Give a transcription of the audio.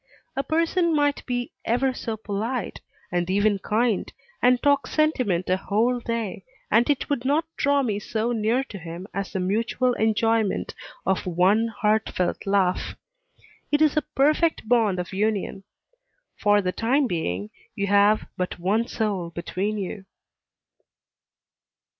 A person might be ever so polite, and even kind, and talk sentiment a whole day, and it would not draw me so near to him as the mutual enjoyment of one heartfelt laugh. It is a perfect bond of union; for the time being, you have but one soul between you.